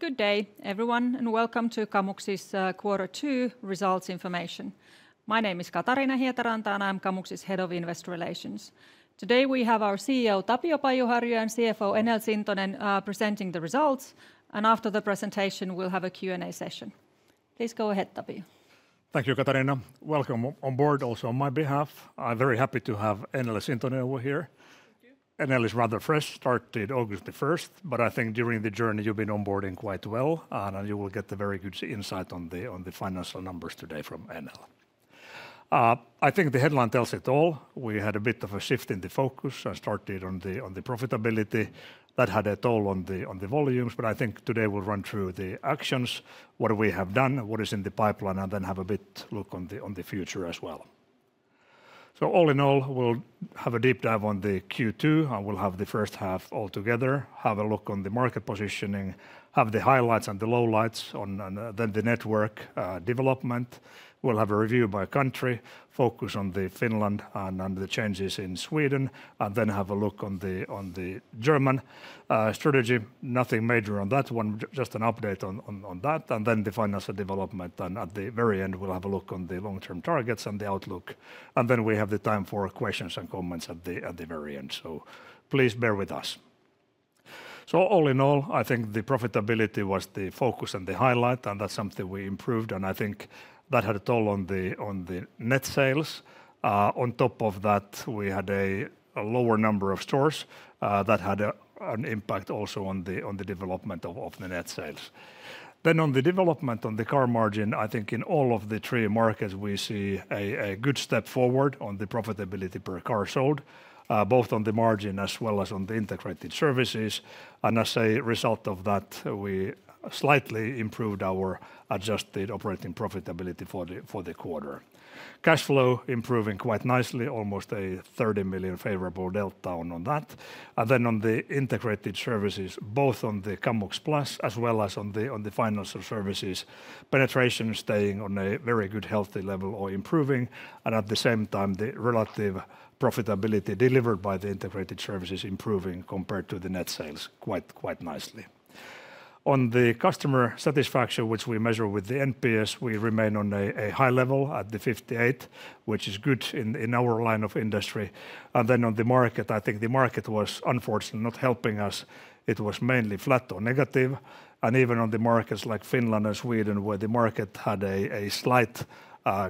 Good day, everyone, and welcome to Kamux's quarter two results information. My name is Katariina Hietaranta, and I'm Kamux's Head of Investor Relations. Today we have our CEO, Tapio Pajuharju, and CFO, Enel Sintonen, presenting the results. After the presentation, we'll have a Q&A session. Please go ahead, Tapio. Thank you, Katariina. Welcome on board also on my behalf. I'm very happy to have Enel Sintonen over here. Enel is rather fresh, started August the 1st, but I think during the journey you've been onboarding quite well, and you will get a very good insight on the financial numbers today from Enel. I think the headline tells it all. We had a bit of a shift in the focus and started on the profitability. That had a toll on the volumes, but I think today we'll run through the actions, what we have done, what is in the pipeline, and then have a bit look on the future as well. All in all, we'll have a deep dive on the Q2, and we'll have the first half altogether, have a look on the market positioning, have the highlights and the lowlights, and then the network development. We'll have a review by country, focus on Finland and the changes in Sweden, and then have a look on the German strategy. Nothing major on that one, just an update on that, and then the financial development. At the very end, we'll have a look on the long-term targets and the outlook. We have the time for questions and comments at the very end. Please bear with us. All in all, I think the profitability was the focus and the highlight, and that's something we improved, and I think that had a toll on the net sales. On top of that, we had a lower number of stores. That had an impact also on the development of the net sales. On the development on the car margin, I think in all of the three markets, we see a good step forward on the profitability per car sold, both on the margin as well as on the integrated services. As a result of that, we slightly improved our adjusted operating profitability for the quarter. Cash flow improving quite nicely, almost a 30 million favorable delta on that. On the integrated services, both on the Kamux Plus as well as on the financial services, penetration staying on a very good healthy level or improving. At the same time, the relative profitability delivered by the integrated services improving compared to the net sales quite nicely. On the customer satisfaction, which we measure with the NPS, we remain on a high level at the 58, which is good in our line of industry. On the market, I think the market was unfortunately not helping us. It was mainly flat or negative. Even on the markets like Finland and Sweden, where the market had a slight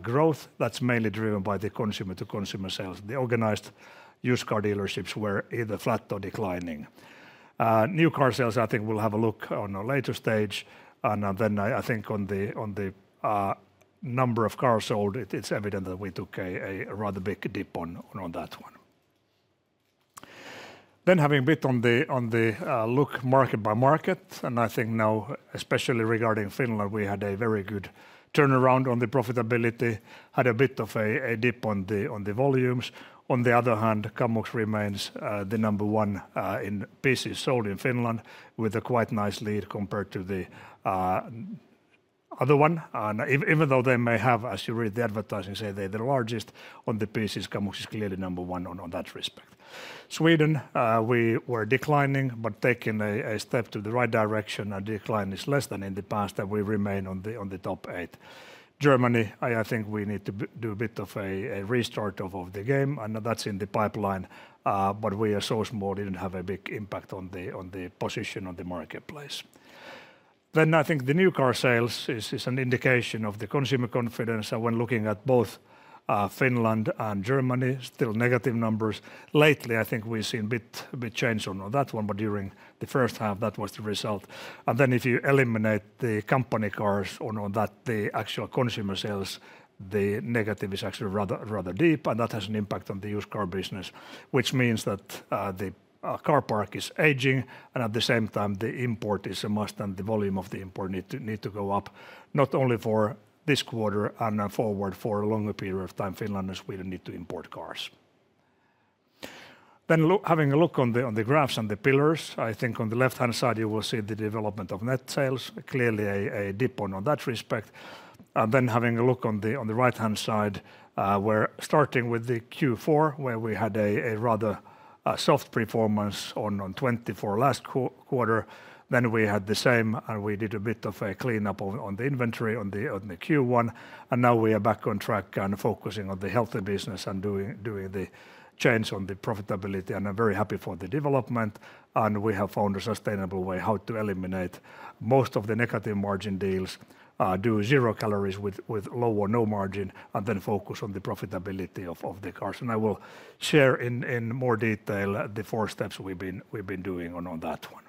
growth, that's mainly driven by the consumer-to-consumer sales. The organized used car dealerships were either flat or declining. New car sales, I think we'll have a look on a later stage. I think on the number of cars sold, it's evident that we took a rather big dip on that one. Having a bit on the look market by market, especially regarding Finland, we had a very good turnaround on the profitability, had a bit of a dip on the volumes. On the other hand, Kamux remains the number one in pieces sold in Finland, with a quite nice lead compared to the other one. Even though they may have, as you read the advertising, say they're the largest on the pieces, Kamux is clearly number one on that respect. Sweden, we were declining, but taking a step to the right direction, a decline is less than in the past, and we remain on the top eight. Germany, I think we need to do a bit of a restart of the game, and that's in the pipeline, but we are so small, didn't have a big impact on the position on the marketplace. I think the new car sales is an indication of the consumer confidence. When looking at both Finland and Germany, still negative numbers. Lately, I think we've seen a bit of a change on that one, but during the first half, that was the result. If you eliminate the company cars on that, the actual consumer sales, the negative is actually rather deep, and that has an impact on the used car business, which means that the car park is aging, and at the same time, the import is a must, and the volume of the import needs to go up, not only for this quarter, and forward for a longer period of time, Finland and Sweden need to import cars. Having a look on the graphs and the pillars, on the left-hand side, you will see the development of net sales, clearly a dip on that respect. Having a look on the right-hand side, we're starting with the Q4, where we had a rather soft performance on 2024 last quarter. We had the same, and we did a bit of a cleanup on the inventory on the Q1, and now we are back on track and focusing on the healthy business and doing the change on the profitability, and I'm very happy for the development. We have found a sustainable way how to eliminate most of the negative margin deals, do zero calories with low or no margin, and then focus on the profitability of the cars. I will share in more detail the four steps we've been doing on that one.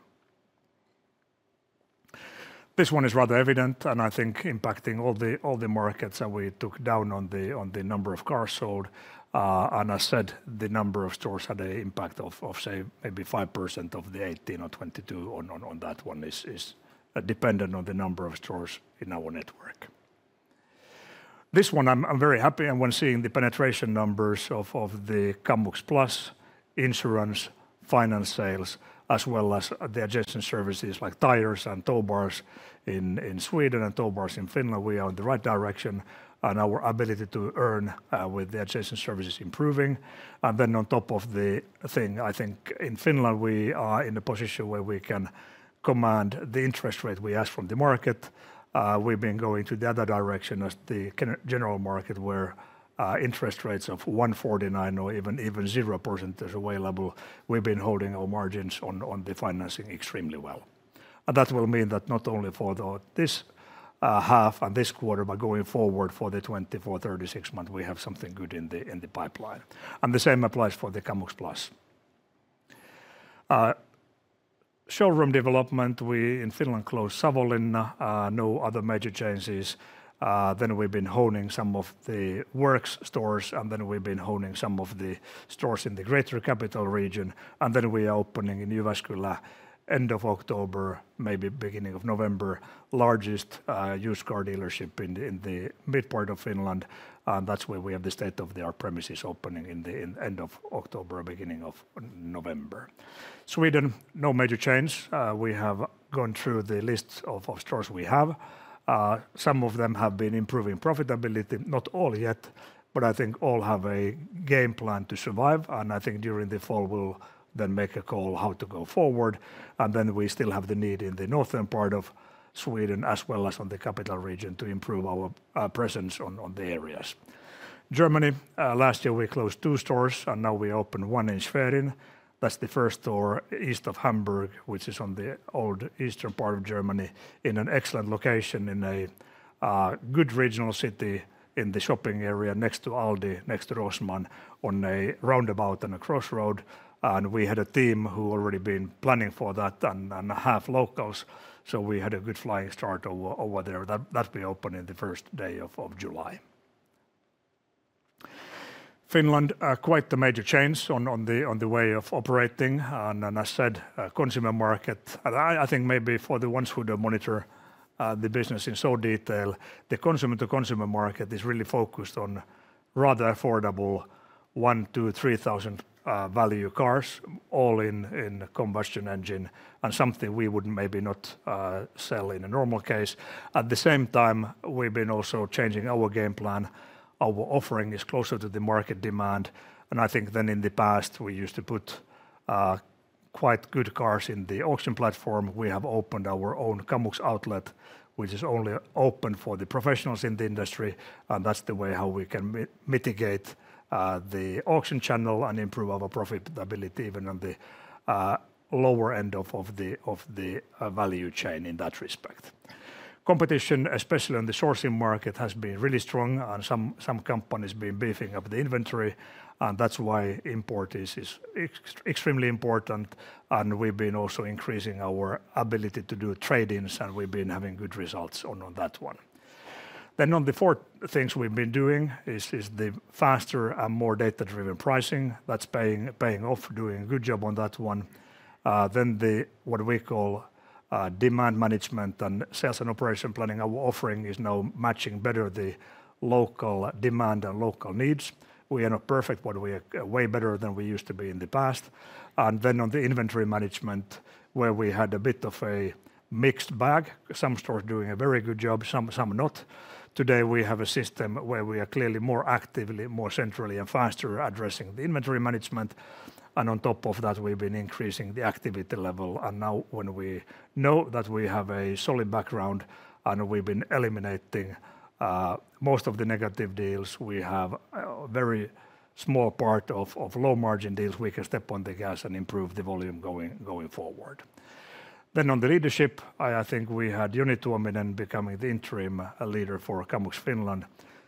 This one is rather evident, and I think impacting all the markets, and we took down on the number of cars sold, and as I said, the number of stores had an impact of, say, maybe 5% of the 18 or 22 on that one is dependent on the number of stores in our network. This one, I'm very happy, and we're seeing the penetration numbers of the Kamux Plus insurance, finance sales, as well as the adjacent services like tires and tow bars in Sweden and tow bars in Finland. We are in the right direction, and our ability to earn with the adjacent services is improving. On top of the thing, I think in Finland, we are in a position where we can command the interest rate we ask from the market. We've been going to the other direction as the general market where interest rates of 1.49% or even 0% is available. We've been holding our margins on the financing extremely well. That will mean that not only for this half and this quarter, but going forward for the 24-36 months, we have something good in the pipeline. The same applies for the Kamux Plus. Showroom development, we in Finland closed Savonlinna, no other major changes. We've been honing some of the works stores, and we've been honing some of the stores in the greater capital region. We are opening in Jyväskylä end of October, maybe beginning of November, largest used car dealership in the mid-part of Finland. That's where we have the state-of-the-art premises opening in the end of October, beginning of November. Sweden, no major change. We have gone through the lists of stores we have. Some of them have been improving profitability, not all yet, but I think all have a game plan to survive. I think during the fall, we'll then make a call how to go forward. We still have the need in the northern part of Sweden, as well as in the capital region, to improve our presence on the areas. Germany, last year we closed two stores, and now we open one in Schwerin. That's the first store east of Hamburg, which is on the old eastern part of Germany, in an excellent location, in a good regional city, in the shopping area next to Aldi, next to Rossmann, on a roundabout and a crossroad. We had a team who had already been planning for that and half locals. We had a good flying start over there. That will be opening the first day of July. Finland, quite a major change on the way of operating. As I said, consumer market, and I think maybe for the ones who don't monitor the business in so detail, the consumer-to-consumer market is really focused on rather affordable 1,000-3,000 value cars, all in combustion engine, and something we would maybe not sell in a normal case. At the same time, we've been also changing our game plan. Our offering is closer to the market demand. I think in the past, we used to put quite good cars in the auction platform. We have opened our own Kamux outlet, which is only open for the professionals in the industry. That's the way we can mitigate the auction channel and improve our profitability even on the lower end of the value chain in that respect. Competition, especially on the sourcing market, has been really strong, and some companies have been beefing up the inventory. That's why import is extremely important. We've been also increasing our ability to do tradings, and we've been having good results on that one. On the four things we've been doing is the faster and more data-driven pricing. That's paying off, doing a good job on that one. What we call demand management and sales and operation planning, our offering is now matching better the local demand and local needs. We are not perfect, but we are way better than we used to be in the past. On the inventory management, where we had a bit of a mixed bag, some stores doing a very good job, some not. Today we have a system where we are clearly more active, more centrally, and faster at addressing the inventory management. On top of that, we've been increasing the activity level. Now when we know that we have a solid background and we've been eliminating most of the negative deals, we have a very small part of low margin deals. We can step on the gas and improve the volume going forward. On the leadership, I think we had Joni Tuominen becoming the Interim Leader for Kamux Finland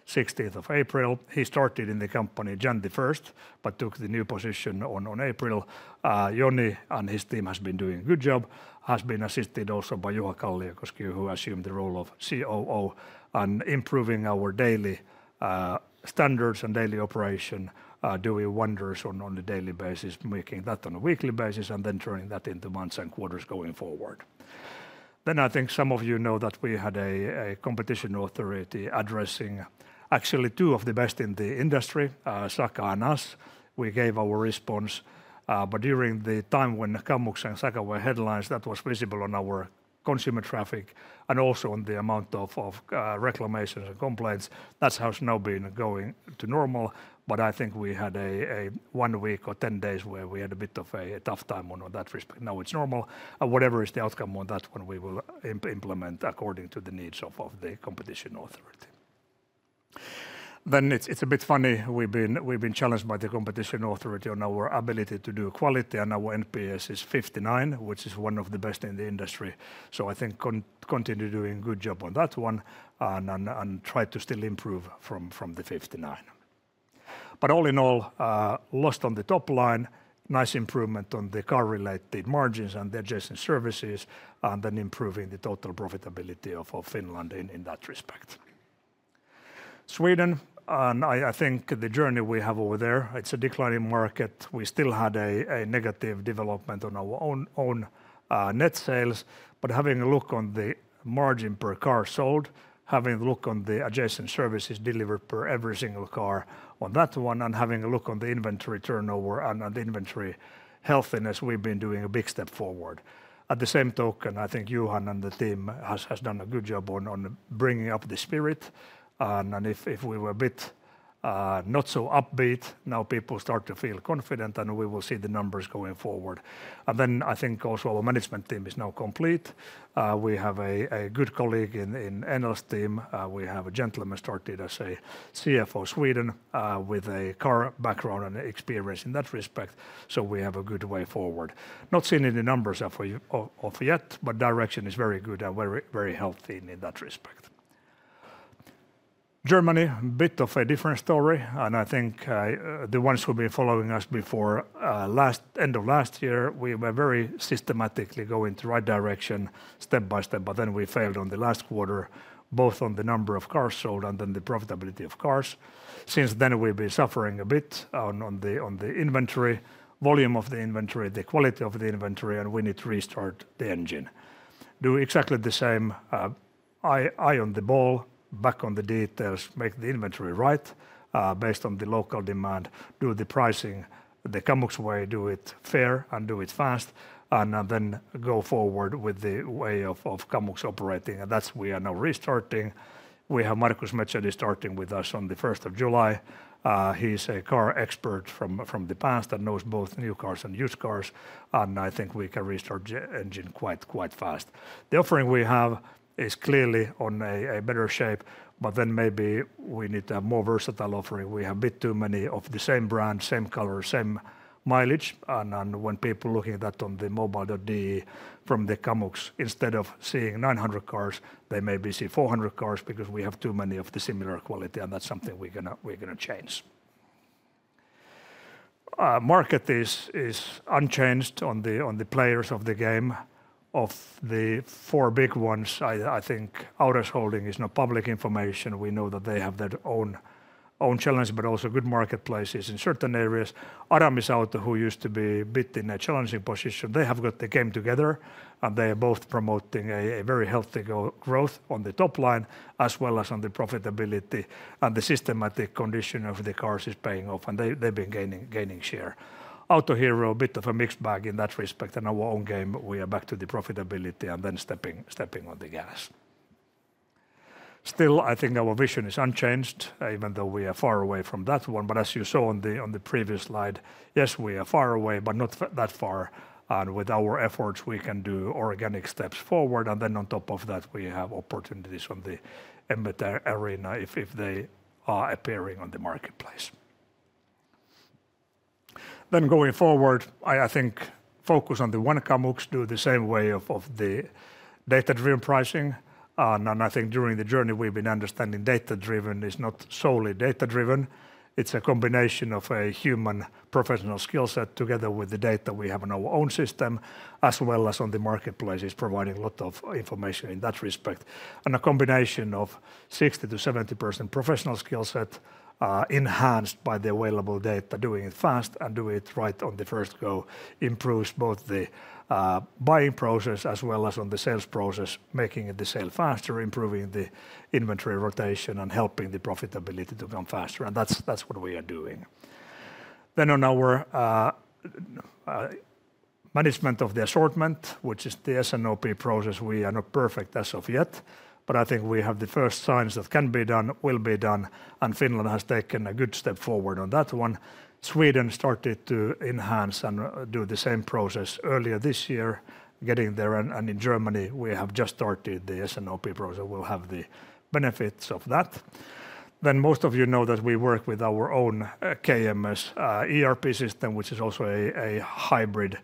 16th of April. He started in the company on the 1st, but took the new position in April. Joni and his team have been doing a good job, have been assisted also by Juha Kalliokoski, who assumed the role of COO, and improving our daily standards and daily operation, doing wonders on a daily basis, making that on a weekly basis, and then turning that into months and quarters going forward. I think some of you know that we had a competition authority addressing actually two of the best in the industry, Saka and us. We gave our response, but during the time when Kamux and Saka were headlines, that was visible on our consumer traffic and also on the amount of reclamations and complaints. That's how it's now been going to normal, but I think we had a one week or 10 days where we had a bit of a tough time in that respect. Now it's normal, and whatever is the outcome on that one, we will implement according to the needs of the competition authority. It's a bit funny, we've been challenged by the competition authority on our ability to do quality, and our NPS is 59, which is one of the best in the industry. I think continue doing a good job on that one and try to still improve from the 59. All in all, lost on the top line, nice improvement on the car-related margins and the adjacent services, and then improving the total profitability of Finland in that respect. Sweden, and I think the journey we have over there, it's a declining market. We still had a negative development on our own net sales, but having a look on the margin per car sold, having a look on the adjacent services delivered per every single car on that one, and having a look on the inventory turnover and the inventory healthiness, we've been doing a big step forward. At the same token, I think Johan and the team have done a good job on bringing up the spirit, and if we were a bit not so upbeat, now people start to feel confident, and we will see the numbers going forward. I think also our management team is now complete. We have a good colleague in Enel's team. We have a gentleman starting as a CFO in Sweden with a car background and experience in that respect. We have a good way forward. Not seen any numbers as of yet, but direction is very good and very healthy in that respect. Germany, a bit of a different story, and I think the ones who have been following us before end of last year, we were very systematically going to the right direction step by step, but then we failed on the last quarter, both on the number of cars sold and then the profitability of cars. Since then, we've been suffering a bit on the inventory, volume of the inventory, the quality of the inventory, and we need to restart the engine. Do exactly the same, eye on the ball, back on the details, make the inventory right based on the local demand, do the pricing the Kamux way, do it fair and do it fast, and then go forward with the way of Kamux operating. That's where we are now restarting. We have Marcus Mezödi starting with us on the 1st of July. He's a car expert from the past and knows both new cars and used cars, and I think we can restart the engine quite, quite fast. The offering we have is clearly in a better shape, but maybe we need a more versatile offering. We have a bit too many of the same brands, same colors, same mileage, and when people are looking at that on the mobile from Kamux, instead of seeing 900 cars, they maybe see 400 cars because we have too many of the similar quality, and that's something we're going to change. Market is unchanged on the players of the game. Of the four big ones, I think AURAS HOLDING is not public information. We know that they have their own challenge, but also good marketplaces in certain areas. Aramisauto, who used to be a bit in a challenging position, they have got the game together, and they are both promoting a very healthy growth on the top line, as well as on the profitability, and the systematic condition of the cars is paying off, and they've been gaining share. Autohero, a bit of a mixed bag in that respect, and our own game, we are back to the profitability and then stepping on the gas. I think our vision is unchanged, even though we are far away from that one, but as you saw on the previous slide, yes, we are far away, but not that far, and with our efforts, we can do organic steps forward, and on top of that, we have opportunities on the MBTAR arena if they are appearing on the marketplace. Going forward, I think focus on the one Kamux, do the same way of the data-driven pricing, and I think during the journey, we've been understanding data-driven is not solely data-driven. It's a combination of a human professional skill set together with the data we have in our own system, as well as on the marketplace, providing a lot of information in that respect, and a combination of 60%-70% professional skill set, enhanced by the available data, doing it fast and doing it right on the first go, improves both the buying process as well as on the sales process, making the sale faster, improving the inventory rotation, and helping the profitability to come faster, and that's what we are doing. On our management of the assortment, which is the SNOP process, we are not perfect as of yet, but I think we have the first signs that can be done, will be done, and Finland has taken a good step forward on that one. Sweden started to enhance and do the same process earlier this year, getting there, and in Germany, we have just started the SNOP process. We will have the benefits of that. Most of you know that we work with our own KMS ERP system, which is also a hybrid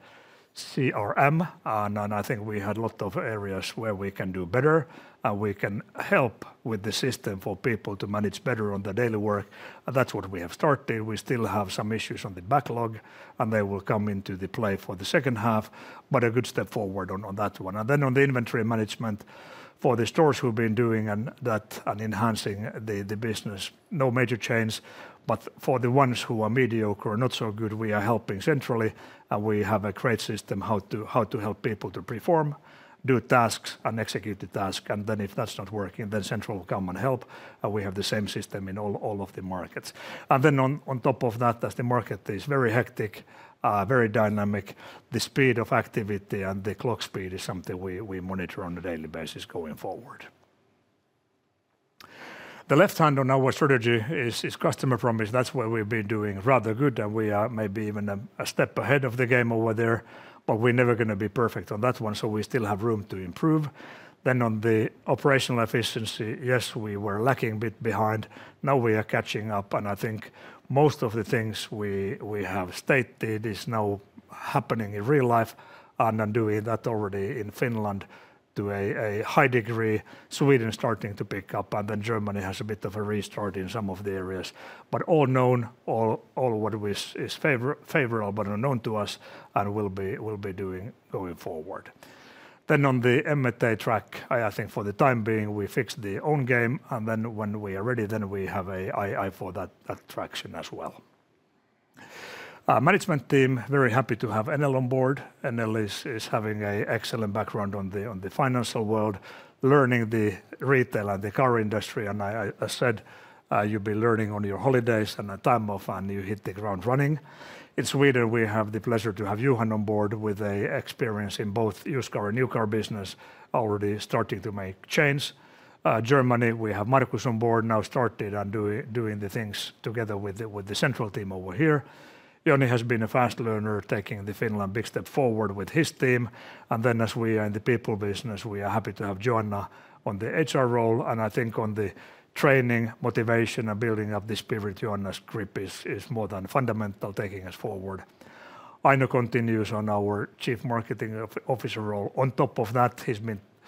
CRM, and I think we had a lot of areas where we can do better, and we can help with the system for people to manage better on the daily work, and that is what we have started. We still have some issues on the backlog, and they will come into play for the second half, but a good step forward on that one. On the inventory management for the stores who have been doing that and enhancing the business, no major change, but for the ones who are mediocre or not so good, we are helping centrally, and we have a great system how to help people to perform, do tasks, and execute the task. If that is not working, then central will come and help, and we have the same system in all of the markets. On top of that, as the market is very hectic, very dynamic, the speed of activity and the clock speed is something we monitor on a daily basis going forward. The left hand on our strategy is customer promise. That is where we have been doing rather good, and we are maybe even a step ahead of the game over there, but we are never going to be perfect on that one, so we still have room to improve. On the operational efficiency, yes, we were lacking a bit behind. Now we are catching up, and I think most of the things we have stated are now happening in real life, and doing that already in Finland to a high degree. Sweden is starting to pick up, and Germany has a bit of a restart in some of the areas, but all known, all what is favorable but unknown to us, and we will be doing going forward. On the MBTAR track, I think for the time being, we fixed the own game, and when we are ready, then we have an eye for that traction as well. Management team, very happy to have Enel on board. Enel is having an excellent background on the financial world, learning the retail and the car industry, and I said you will be learning on your holidays and at time off, and you hit the ground running. In Sweden, we have the pleasure to have Johan on board with an experience in both used car and new car business, already starting to make change. Germany, we have Marcus on board, now started and doing the things together with the central team over here. Joni has been a fast learner, taking the Finland big step forward with his team, and as we are in the people business, we are happy to have Joanna in the HR role. I think on the training, motivation, and building up the spirit, Joanna's grip is more than fundamental, taking us forward. Aino continues in our Chief Marketing Officer role. On top of that,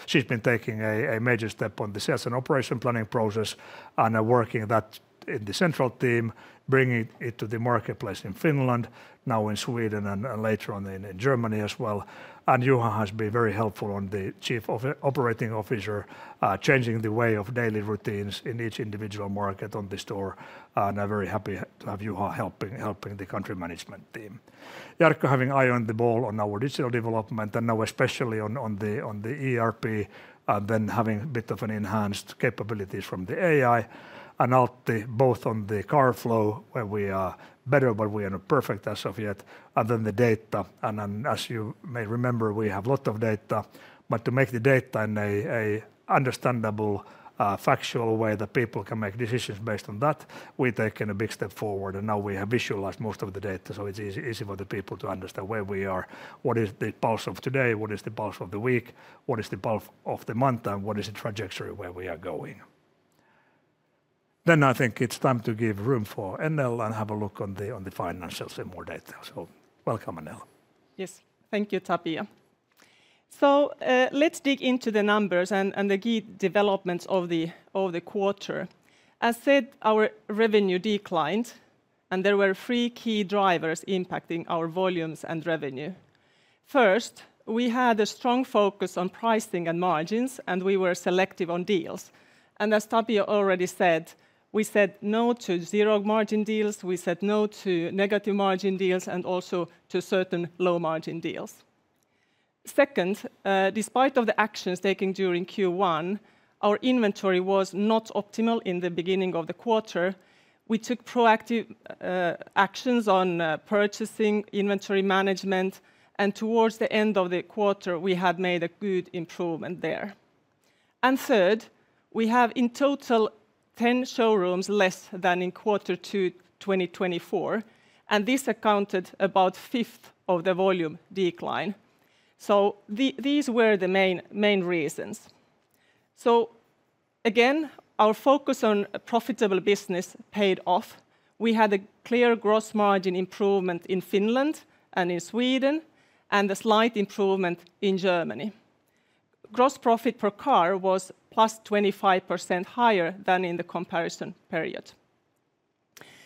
she's been taking a major step on the sales and operation planning process and working that in the central team, bringing it to the marketplace in Finland, now in Sweden, and later on in Germany as well. Juha has been very helpful in the Chief Operating Officer role, changing the way of daily routines in each individual market on the store, and I'm very happy to have Juha helping the country management team. Jarkko is having an eye on the ball on our digital development, and now especially on the ERP, and then having a bit of an enhanced capability from the AI, both on the car flow, where we are better, but we are not perfect as of yet, and then the data. As you may remember, we have a lot of data, but to make the data in an understandable, factual way that people can make decisions based on that, we've taken a big step forward, and now we have visualized most of the data, so it's easy for the people to understand where we are, what is the pulse of today, what is the pulse of the week, what is the pulse of the month, and what is the trajectory where we are going. I think it's time to give room for Enel and have a look at the financials in more detail. So welcome, Enel. Yes, thank you, Tapio. Let's dig into the numbers and the key developments of the quarter. As I said, our revenue declined, and there were three key drivers impacting our volumes and revenue. First, we had a strong focus on pricing and margins, and we were selective on deals. As Tapio already said, we said no to zero margin deals, we said no to negative margin deals, and also to certain low margin deals. Second, despite the actions taken during Q1, our inventory was not optimal in the beginning of the quarter. We took proactive actions on purchasing, inventory management, and towards the end of the quarter, we had made a good improvement there. Third, we have in total 10 showrooms less than in quarter two 2024, and this accounted for about a fifth of the volume decline. These were the main reasons. Again, our focus on profitable business paid off. We had a clear gross margin improvement in Finland and in Sweden, and a slight improvement in Germany. Gross profit per car was +25% higher than in the comparison period.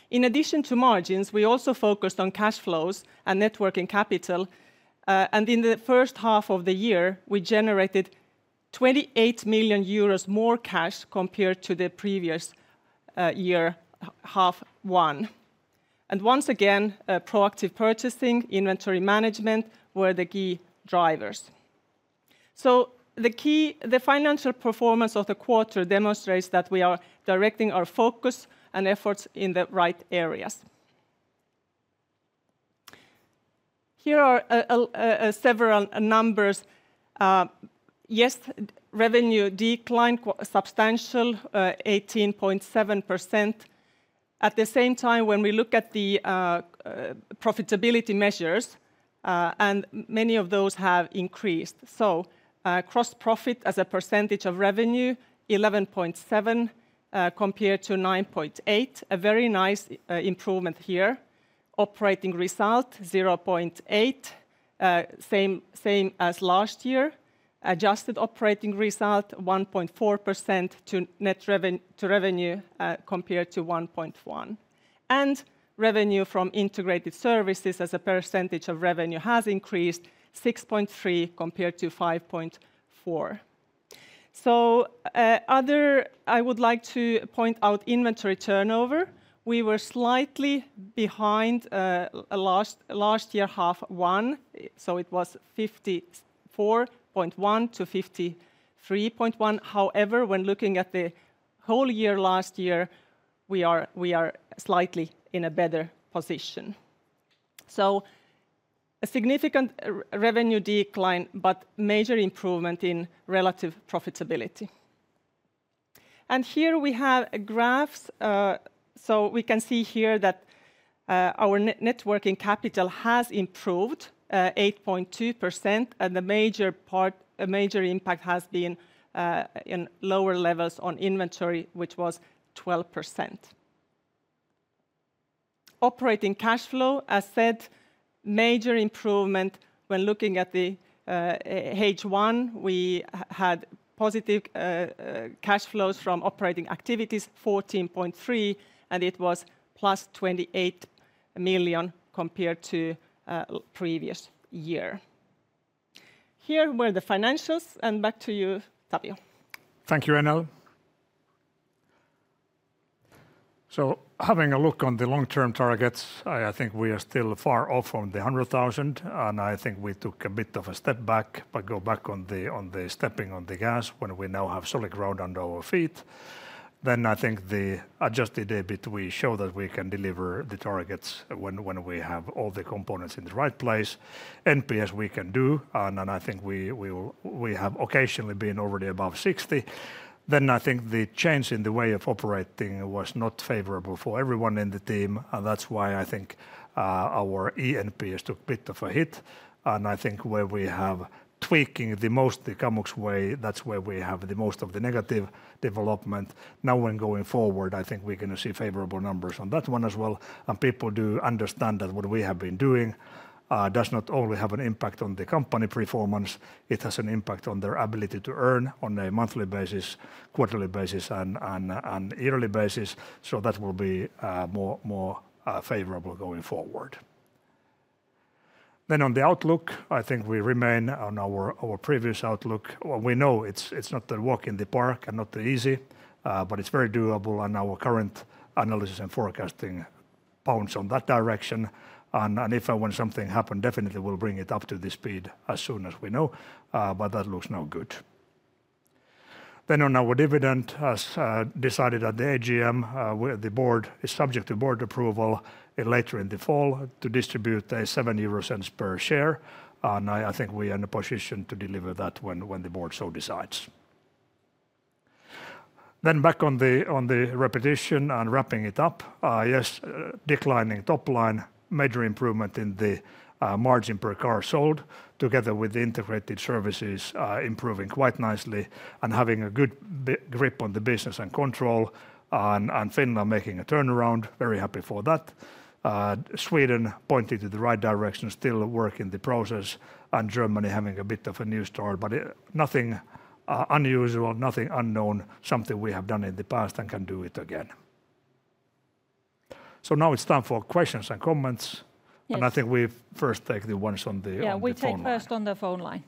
In addition to margins, we also focused on cash flows and networking capital, and in the first half of the year, we generated 28 million euros more cash compared to the previous year, half one. Once again, proactive purchasing and inventory management were the key drivers. The financial performance of the quarter demonstrates that we are directing our focus and efforts in the right areas. Here are several numbers. Yes, revenue declined substantially, 18.7%. At the same time, when we look at the profitability measures, many of those have increased. Gross profit as a percentage of revenue was 11.7% compared to 9.8%, a very nice improvement here. Operating result was 0.8%, same as last year. Adjusted operating result was 1.4% to net revenue compared to 1.1%. Revenue from integrated services as a percentage of revenue has increased, 6.3% compared to 5.4%. I would like to point out inventory turnover. We were slightly behind last year, half one, so it was 54.1% to 53.1%. However, when looking at the whole year last year, we are slightly in a better position. A significant revenue decline, but major improvement in relative profitability. Here we have graphs. We can see here that our networking capital has improved 8.2%, and the major impact has been in lower levels on inventory, which was 12%. Operating cash flow, as I said, major improvement. When looking at the H1, we had positive cash flows from operating activities, 14.3%, and it was +28 million compared to the previous year. Here were the financials, and back to you, Tapio. Thank you, Enel. Having a look on the long-term targets, I think we are still far off on the 100,000, and I think we took a bit of a step back, but go back on stepping on the gas when we now have solid ground under our feet. I think the adjusted EBIT, we show that we can deliver the targets when we have all the components in the right place. NPS we can do, and I think we have occasionally been already above 60. I think the change in the way of operating was not favorable for everyone in the team, and that's why I think our eNPS took a bit of a hit. I think where we have tweaked the most the Kamux way, that's where we have the most of the negative development. Now, going forward, I think we're going to see favorable numbers on that one as well, and people do understand that what we have been doing does not only have an impact on the company performance, it has an impact on their ability to earn on a monthly basis, quarterly basis, and yearly basis. That will be more favorable going forward. On the outlook, I think we remain on our previous outlook. We know it's not a walk in the park and not easy, but it's very doable, and our current analysis and forecasting points in that direction. If and when something happens, definitely we'll bring it up to speed as soon as we know, but that looks now good. On our dividend, as decided at the AGM, the board is subject to board approval later in the fall to distribute 0.07 per share, and I think we are in a position to deliver that when the board so decides. Back on the repetition and wrapping it up, yes, declining top line, major improvement in the margin per car sold, together with the integrated services improving quite nicely, and having a good grip on the business and control, and Finland making a turnaround, very happy for that. Sweden pointed to the right direction, still working the process, and Germany having a bit of a new start, but nothing unusual, nothing unknown, something we have done in the past and can do it again. Now it's time for questions and comments, and I think we first take the ones on the phone line. Yeah, we take first on the phone line.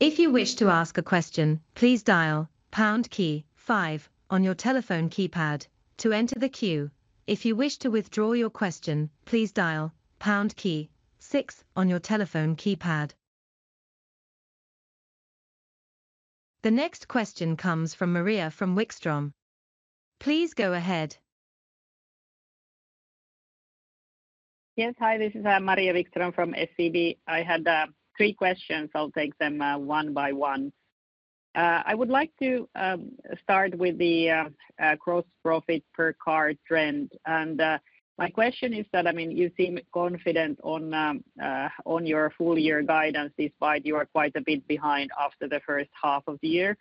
If you wish to ask a question, please dial pound key five on your telephone keypad to enter the queue. If you wish to withdraw your question, please dial pound key six on your telephone keypad. The next question comes from Maria Wikström. Please go ahead. Yes, hi, this is Maria Wikström from SEB. I had three questions. I'll take them one by one. I would like to start with the gross profit per car trend, and my question is that, I mean, you seem confident on your full year guidance despite you are quite a bit behind after the first half of the year.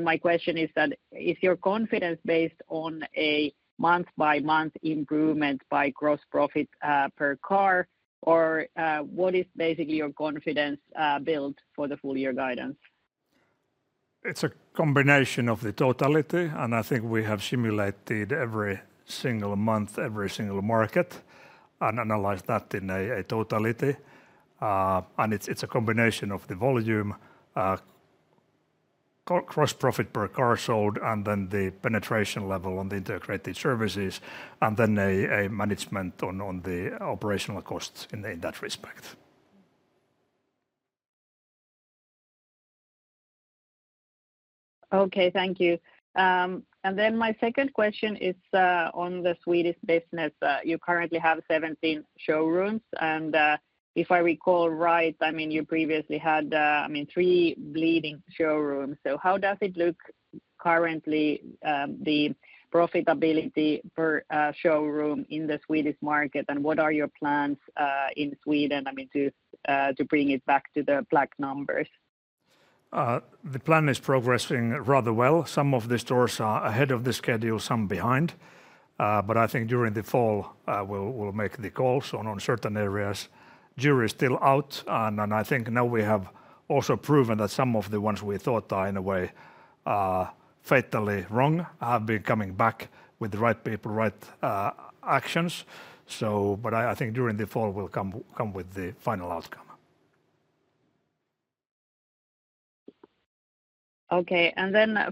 My question is that, is your confidence based on a month-by-month improvement by gross profit per car, or what is basically your confidence built for the full-year guidance? It's a combination of the totality, and I think we have simulated every single month, every single market, and analyzed that in a totality. It's a combination of the volume, gross profit per car sold, and then the penetration level on the integrated services, and then a management on the operational costs in that respect. Thank you. My second question is on the Swedish business. You currently have 17 showrooms, and if I recall right, you previously had three bleeding showrooms. How does it look currently, the profitability per showroom in the Swedish market, and what are your plans in Sweden to bring it back to the black numbers? The plan is progressing rather well. Some of the stores are ahead of the schedule, some behind, but I think during the fall, we'll make the calls on certain areas. The jury is still out, and I think now we have also proven that some of the ones we thought are in a way fatally wrong have been coming back with the right people, right actions. I think during the fall, we'll come with the final outcome. Okay,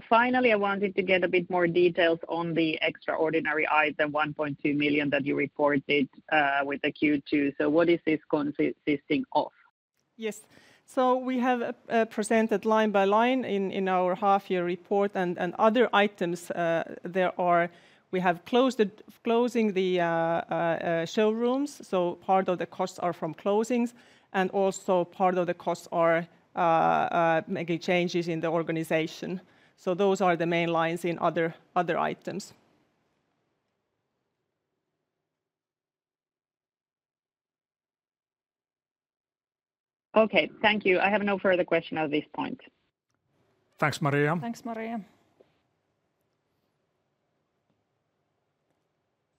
finally, I wanted to get a bit more details on the extraordinary items, the 1.2 million that you reported with the Q2. What is this consisting of? Yes, we have presented line by line in our half-year report and other items. We have closed the showrooms, so part of the costs are from closings, and also part of the costs are making changes in the organization. Those are the main lines in other items. Okay, thank you. I have no further questions at this point. Thanks, Maria. Thanks, Maria.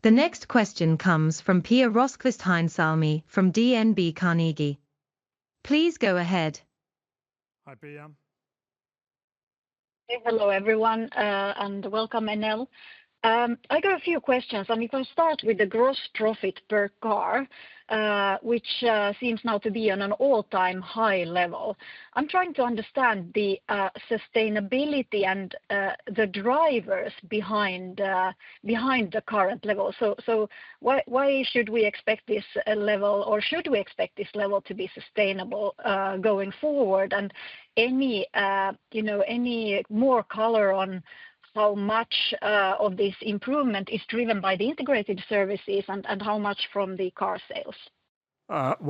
The next question comes from Pia Rosqvist-Heinsalmi from DNB Carnegie. Please go ahead. Hi, Pia. Hello, everyone, and welcome, Enel. I got a few questions. I mean, from start with the gross profit per car, which seems now to be on an all-time high level. I'm trying to understand the sustainability and the drivers behind the current level. Why should we expect this level, or should we expect this level to be sustainable going forward? Any more color on how much of this improvement is driven by the integrated services and how much from the car sales?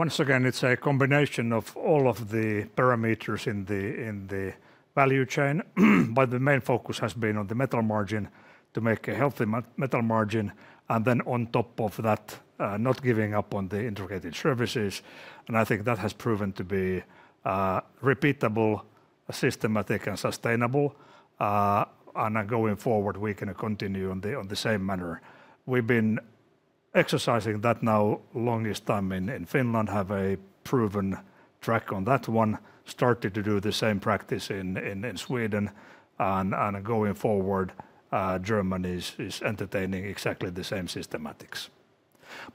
Once again, it's a combination of all of the parameters in the value chain, but the main focus has been on the metal margin to make a healthy metal margin, and then on top of that, not giving up on the integrated services. I think that has proven to be repeatable, systematic, and sustainable. Going forward, we can continue in the same manner. We've been exercising that now the longest time in Finland, have a proven track on that one, started to do the same practice in Sweden, and going forward, Germany is entertaining exactly the same systematics.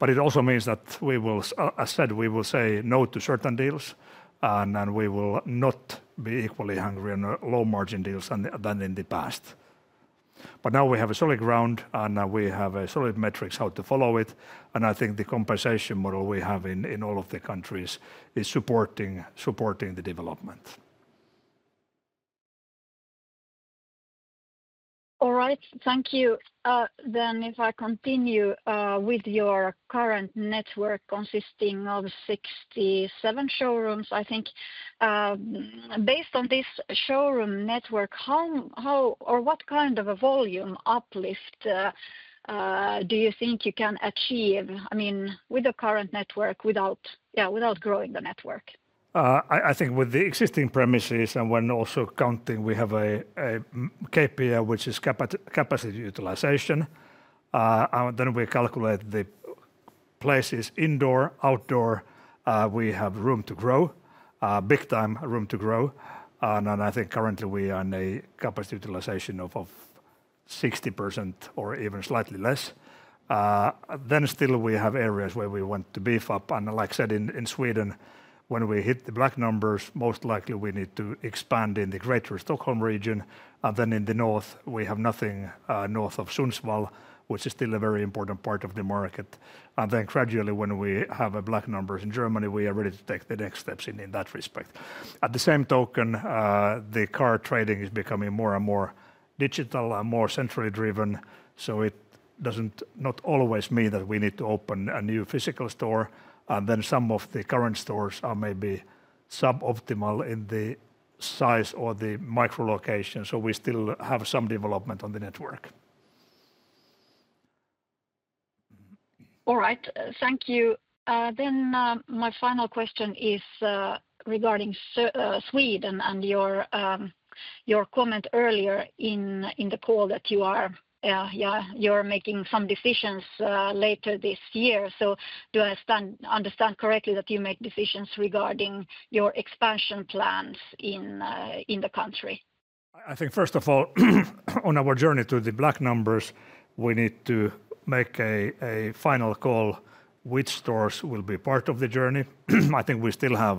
It also means that we will, as I said, we will say no to certain deals, and we will not be equally hungry on low margin deals than in the past. Now we have a solid ground, and we have solid metrics how to follow it. I think the compensation model we have in all of the countries is supporting the development. All right, thank you. If I continue with your current network consisting of 67 showrooms, I think based on this showroom network, how or what kind of a volume uplift do you think you can achieve, I mean, with the current network, without growing the network? I think with the existing premises and when also counting, we have a KPI, which is capacity utilization. We calculate the places, indoor, outdoor, we have room to grow, big time room to grow. I think currently we are in a capacity utilization of 60% or even slightly less. We still have areas where we want to beef up. Like I said, in Sweden, when we hit the black numbers, most likely we need to expand in the greater Stockholm region. In the north, we have nothing north of Sundsvall, which is still a very important part of the market. Gradually, when we have black numbers in Germany, we are ready to take the next steps in that respect. At the same token, the car trading is becoming more and more digital and more centrally driven. It does not always mean that we need to open a new physical store. Some of the current stores are maybe suboptimal in the size or the micro location. We still have some development on the network. All right, thank you. My final question is regarding Sweden and your comment earlier in the call that you are making some decisions later this year. Do I understand correctly that you make decisions regarding your expansion plans in the country? I think first of all, on our journey to the black numbers, we need to make a final call which stores will be part of the journey. I think we still have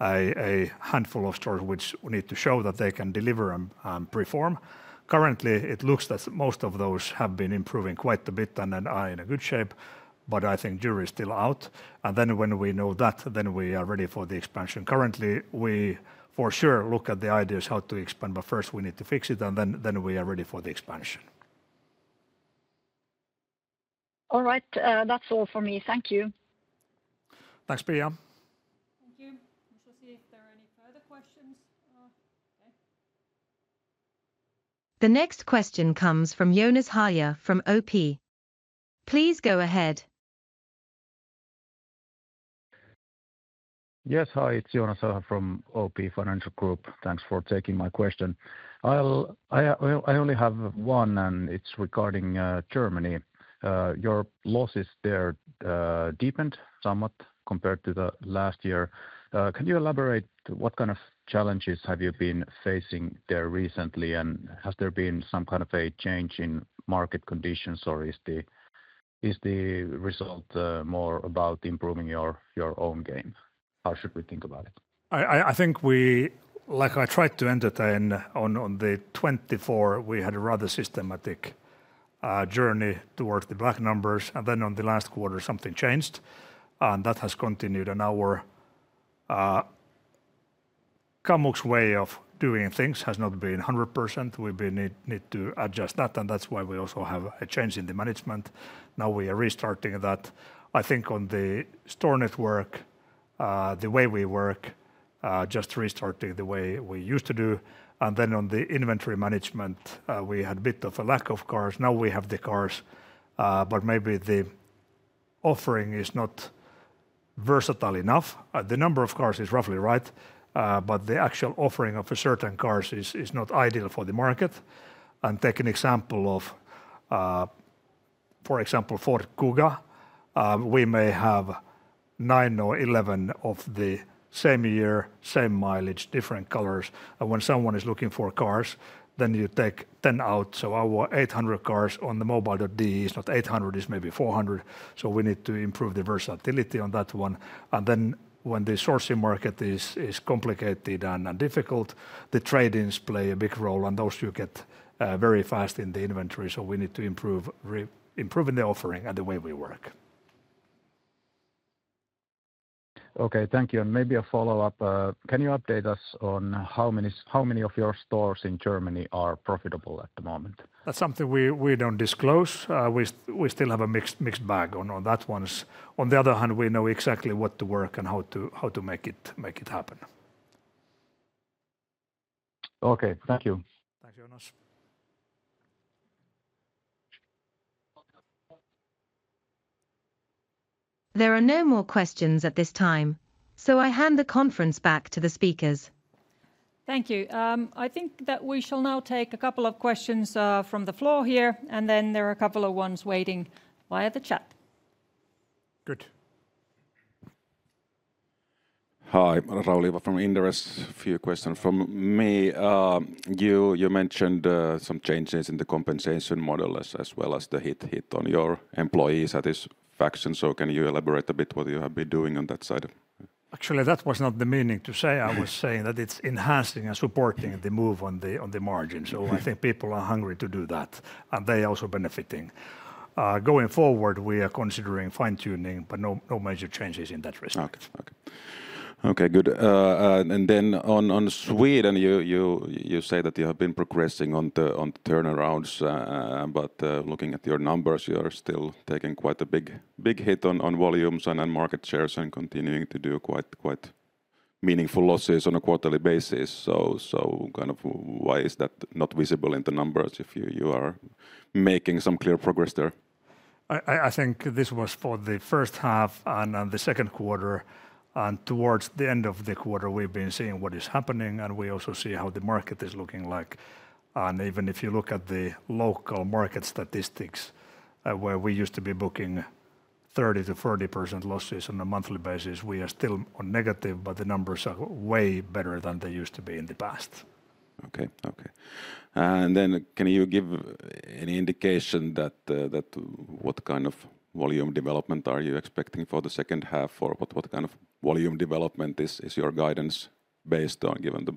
a handful of stores which we need to show that they can deliver and perform. Currently, it looks that most of those have been improving quite a bit and are in a good shape, but I think the jury is still out. When we know that, we are ready for the expansion. Currently, we for sure look at the ideas how to expand, but first we need to fix it and then we are ready for the expansion. All right, that's all for me. Thank you. Thanks, Pia. Thank you. We shall see if there are any further questions. The next question comes from Joonas Häyhä from OP. Please go ahead. Yes, hi, it's Joonas Häyhä from OP Financial Group. Thanks for taking my question. I only have one and it's regarding Germany. Your losses there deepened somewhat compared to the last year. Can you elaborate what kind of challenges have you been facing there recently and has there been some kind of a change in market conditions or is the result more about improving your own game? How should we think about it? I think we, like I tried to entertain on the 2024, we had a rather systematic journey towards the black numbers and then on the last quarter something changed and that has continued in our Kamux way of doing things. It has not been 100%. We need to adjust that and that's why we also have a change in the management. Now we are restarting that. I think on the store network, the way we work, just restarting the way we used to do. On the inventory management, we had a bit of a lack of cars. Now we have the cars, but maybe the offering is not versatile enough. The number of cars is roughly right, but the actual offering of certain cars is not ideal for the market. Take an example of, for example, Ford Kuga. We may have nine or 11 of the same year, same mileage, different colors. When someone is looking for cars, then you take 10 out. Our 800 cars on the mobile.de is not 800, it's maybe 400. We need to improve the versatility on that one. When the sourcing market is complicated and difficult, the trade-ins play a big role and those you get very fast in the inventory. We need to improve the offering and the way we work. Okay, thank you. Maybe a follow-up. Can you update us on how many of your stores in Germany are profitable at the moment? That's something we don't disclose. We still have a mixed bag on that one. On the other hand, we know exactly what to work and how to make it happen. Okay, thank you. Thanks, Joonas. There are no more questions at this time, so I hand the conference back to the speakers. Thank you. I think that we shall now take a couple of questions from the floor here, and then there are a couple of ones waiting via the chat. Good. Hi, I'm Rauli from Inderes. A few questions from me. You mentioned some changes in the compensation model as well as the hit on your employees' satisfaction. Can you elaborate a bit what you have been doing on that side? Actually, that was not the meaning to say. I was saying that it's enhancing and supporting the move on the margin. We think people are hungry to do that, and they are also benefiting. Going forward, we are considering fine-tuning, but no major changes in that respect. Okay, good. On Sweden, you say that you have been progressing on the turnarounds, but looking at your numbers, you are still taking quite a big hit on volumes and market shares and continuing to do quite meaningful losses on a quarterly basis. Why is that not visible in the numbers if you are making some clear progress there? I think this was for the first half and the second quarter. Towards the end of the quarter, we've been seeing what is happening, and we also see how the market is looking like. Even if you look at the local market statistics, where we used to be booking 30%-40% losses on a monthly basis, we are still on negative, but the numbers are way better than they used to be in the past. Okay, okay. Can you give any indication what kind of volume development you are expecting for the second half? What kind of volume development is your guidance based on, given the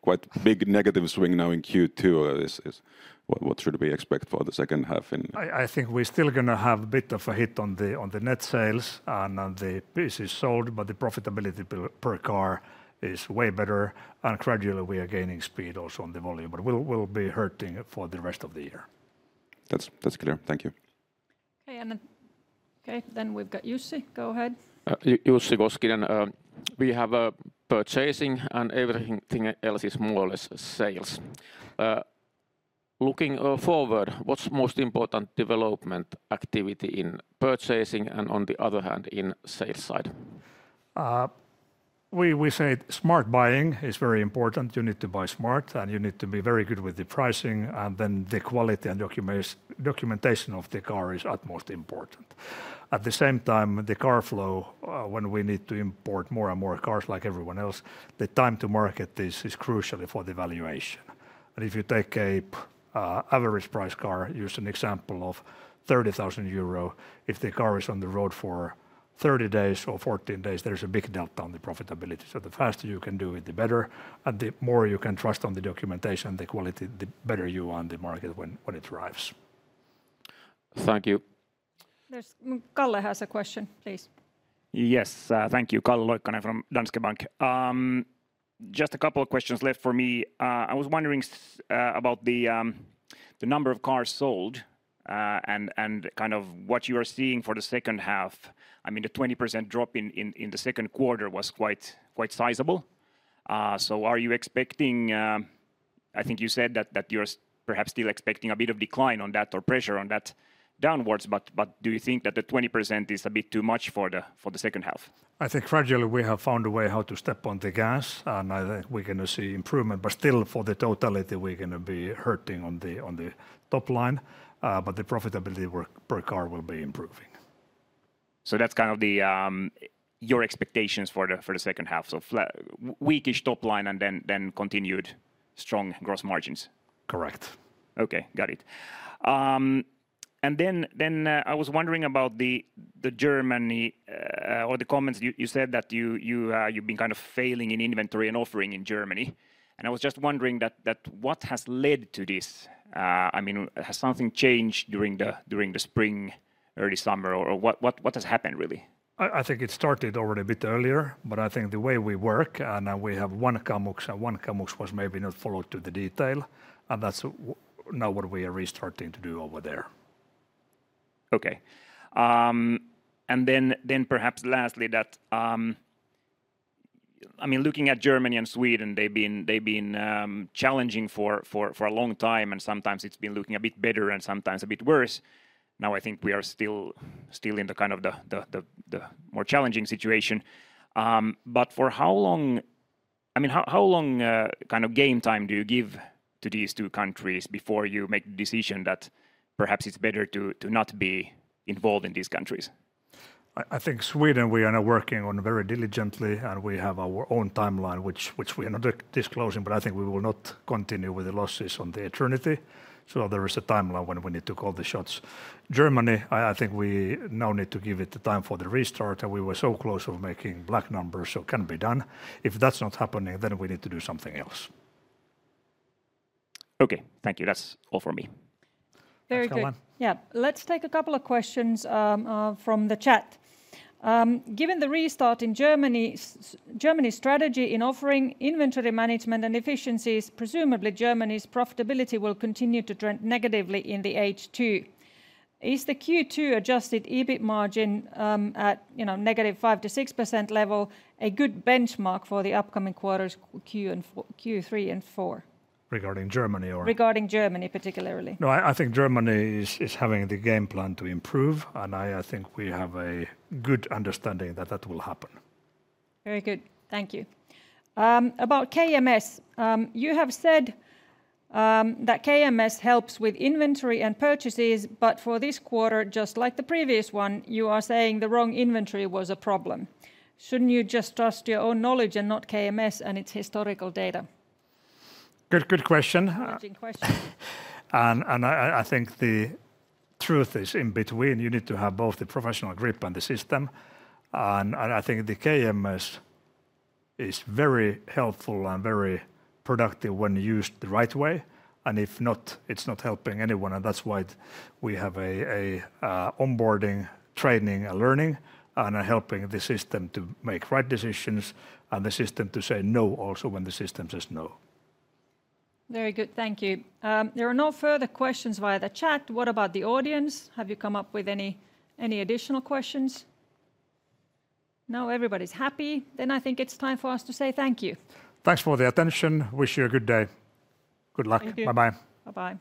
quite big negative swing now in Q2? What should we expect for the second half? I think we're still going to have a bit of a hit on the net sales and the pieces sold, but the profitability per car is way better. Gradually, we are gaining speed also on the volume, but we'll be hurting for the rest of the year. That's clear. Thank you. Okay, we've got Jussi, go ahead. Jussi [Mikkonen]. We have purchasing, and everything else is more or less sales. Looking forward, what's the most important development activity in purchasing and on the other hand in sales side? We said smart buying is very important. You need to buy smart, and you need to be very good with the pricing, and then the quality and documentation of the car is utmost important. At the same time, the car flow, when we need to import more and more cars like everyone else, the time to market is crucial for the valuation. If you take an average price car, use an example of 30,000 euro, if the car is on the road for 30 days or 14 days, there's a big delta on the profitability. The faster you can do it, the better, and the more you can trust on the documentation and the quality, the better you are on the market when it arrives. Thank you. Calle has a question, please. Yes, thank you. Calle Loikkanen from Danske Bank. Just a couple of questions left for me. I was wondering about the number of cars sold and kind of what you are seeing for the second half. I mean, the 20% drop in the second quarter was quite sizable. Are you expecting, I think you said that you are perhaps still expecting a bit of decline on that or pressure on that downwards, but do you think that the 20% is a bit too much for the second half? I think gradually we have found a way how to step on the gas, and I think we're going to see improvement. Still, for the totality, we're going to be hurting on the top line, but the profitability per car will be improving. That is kind of your expectations for the second half, a weakish top line and then continued strong gross margins? Correct. Okay, got it. I was wondering about Germany or the comments you said that you've been kind of failing in inventory and offering in Germany. I was just wondering what has led to this. I mean, has something changed during the spring, early summer, or what has happened really? I think it started already a bit earlier, but I think the way we work and we have one Kamux, one Kamux was maybe not followed to the detail, and that's now what we are restarting to do over there. Okay. Perhaps lastly, I mean, looking at Germany and Sweden, they've been challenging for a long time, and sometimes it's been looking a bit better and sometimes a bit worse. Now I think we are still in the kind of the more challenging situation. For how long, I mean, how long kind of game time do you give to these two countries before you make the decision that perhaps it's better to not be involved in these countries? I think Sweden, we are now working on very diligently, and we have our own timeline, which we are not disclosing, but I think we will not continue with the losses for eternity. There is a timeline when we need to call the shots. Germany, I think we now need to give it the time for the restart, and we were so close to making black numbers, so it can be done. If that's not happening, then we need to do something else. Okay, thank you. That's all for me. Very good. Yeah, let's take a couple of questions from the chat. Given the restart in Germany, Germany's strategy in offering inventory management and efficiencies, presumably Germany's profitability will continue to trend negatively in the H2. Is the Q2 adjusted EBIT margin at -5% to -6% level a good benchmark for the upcoming quarters Q3 and Q4? Regarding Germany or? Regarding Germany particularly. No, I think Germany is having the game plan to improve, and I think we have a good understanding that that will happen. Very good. Thank you. About KMS, you have said that KMS helps with inventory and purchases, but for this quarter, just like the previous one, you are saying the wrong inventory was a problem. Shouldn't you just trust your own knowledge and not KMS and its historical data? Good question. I think the truth is in between, you need to have both the professional grip and the system. I think the KMS is very helpful and very productive when used the right way. If not, it's not helping anyone. That's why we have onboarding, training, and learning, and helping the system to make right decisions and the system to say no also when the system says no. Very good. Thank you. There are no further questions via the chat. What about the audience? Have you come up with any additional questions? No, everybody's happy. I think it's time for us to say thank you. Thanks for the attention. Wish you a good day. Good luck. Bye-bye. Bye-bye.